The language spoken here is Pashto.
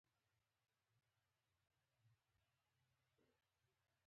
په ښکته سیمو کې د سیلاب شدت کم کړي.